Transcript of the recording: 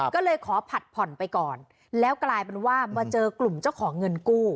ก็เลยขอผัดผ่อนไปก่อนแล้วกลายเป็นว่ามาเจอกลุ่มเจ้าของเงินกู้